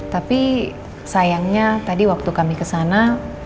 tapi sayangnya tadi waktu kami ke sana